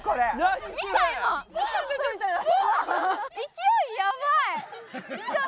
勢いやばい！